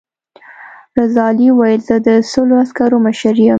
رضا علي وویل زه د سلو عسکرو مشر یم.